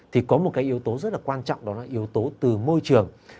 thì có một yếu tố rất quan trọng đó là yếu tố từ môi trường